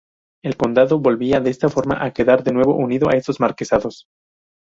El condado volvía de esta forma a quedar de nuevo unido a estos marquesados.